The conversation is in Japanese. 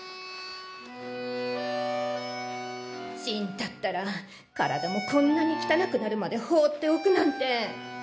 信太ったら体もこんなにきたなくなるまで放っておくなんて。